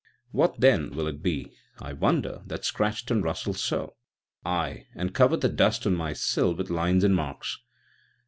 What, then, will it be, I wonder, that scratched and rustled so â€" ay, and covered the dust on my sill with lines and marks?"